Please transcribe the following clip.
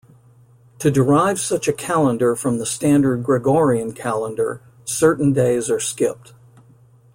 To derive such a calendar from the standard Gregorian calendar, certain days are skipped.